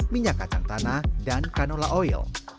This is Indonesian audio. minyak kacang tanah dan kanola oil